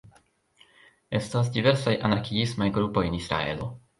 Estas diversaj anarkiismaj grupoj en Israelo.